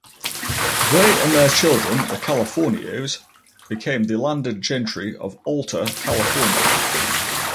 They and their children, the Californios, became the landed gentry of Alta California.